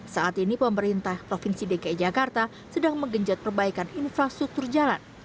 saat ini pemerintah provinsi dki jakarta sedang menggenjot perbaikan infrastruktur jalan